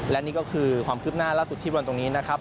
และนี่ก็คือความคืบหน้าล่าสุดที่วันตรงนี้นะครับ